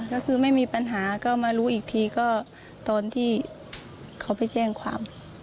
ก็คือไม่มีปัญหาก็มารู้อีกทีก็ตอนที่เขาไปแจ้งความ